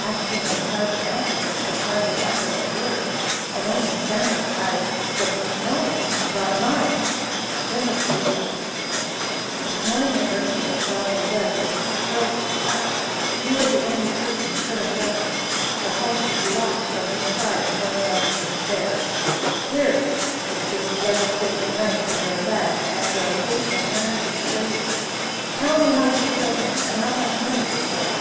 Aksionov tried to answer, but could hardly utter a word, and only stammered: "I don't know not mine." Then the police officer said: "This morning the merchant was found in bed with his throat cut. You are the only person who could have done it. The house was locked from inside, and no one else was there. Here is this blood stained knife in your bag and your face and manner betray you! Tell me how you killed him, and how much money you stole?"